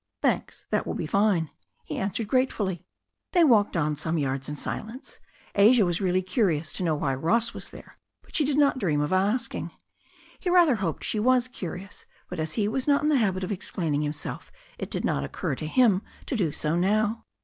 "Thanks, that will be fine," he answered gratefully. They walked on some yards in silence. Asia was really curious to know why Ross was there, but she did not dream of asking. He rather hoped she was curious, but as he was not in the habit of explaining himself it did not occur to him to do so now.